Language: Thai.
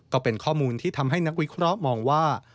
ก็เป็นข้อมูลที่ทำให้นักวิเคราะห์มองว่า